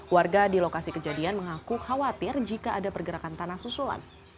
warga di lokasi kejadian mengaku khawatir jika ada pergerakan tanah susulan